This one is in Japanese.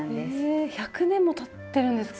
え１００年もたってるんですか？